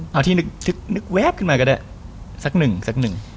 เอาที่นึกแว๊บขึ้นมาก็ได้สักหนึ่งสักหนึ่ง